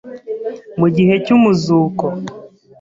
Mu gihe cy umuzuko